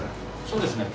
そうですね。